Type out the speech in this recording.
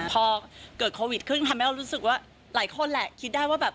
พอเกิดโควิดขึ้นทำให้เรารู้สึกว่าหลายคนแหละคิดได้ว่าแบบ